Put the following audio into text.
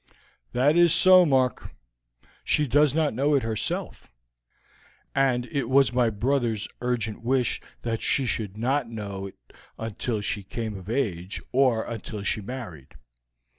"That is so, Mark. She does not know it herself, and it was my brother's urgent wish that she should not know it until she came of age or until she married.